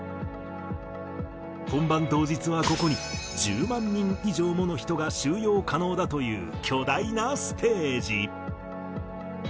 本番当日はここに１０万人以上もの人が収容可能だという巨大なステージ。